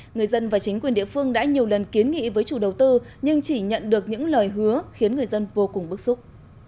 người dân và chính quyền địa phương đã nhiều lần kiến nghị với chủ đầu tư nhưng chỉ nhận được những lời hứa khiến người dân vô cùng bức xúc